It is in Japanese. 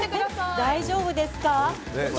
大丈夫ですか？